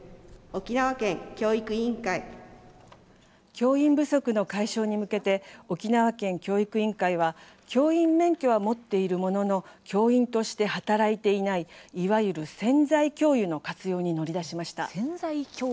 教員不足の解消に向けて沖縄県教育委員会は教員免許は持っているものの教員として働いていないいわゆる潜在教諭の活用に乗り出しました。